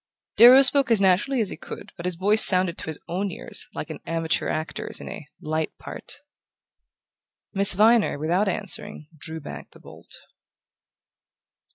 Darrow spoke as naturally as he could, but his voice sounded to his own ears like an amateur actor's in a "light" part. Miss Viner, without answering, drew back the bolt.